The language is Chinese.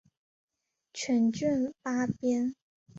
全卷八编。